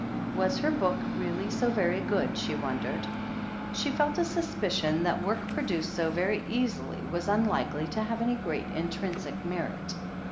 Was her book really so very good, she wondered? She felt a suspicion that work produced so very easily was unlikely to have any great intrinsic merit.